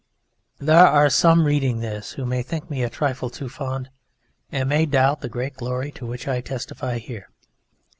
There are some reading this who may think me a trifle too fond and may doubt the great glory to which I testify here.